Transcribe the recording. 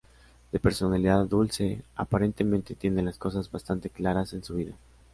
De personalidad dulce, aparentemente tiene las cosas bastante claras en su vida.